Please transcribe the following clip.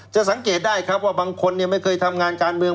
สังเกตได้ครับว่าบางคนไม่เคยทำงานการเมือง